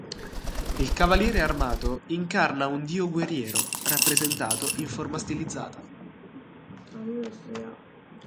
Il cavaliere armato incarna un dio guerriero, rappresentato in forma stilizzata.